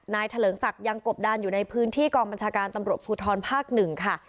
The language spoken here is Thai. เถลิงศักดิ์ยังกบดานอยู่ในพื้นที่กองบัญชาการตำรวจภูทรภาค๑ค่ะ